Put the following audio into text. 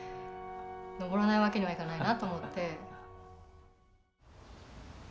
登らないわけにはいかないなと思って。